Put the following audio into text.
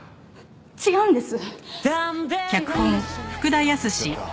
違うんです！